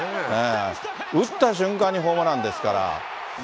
打った瞬間にホームランですから。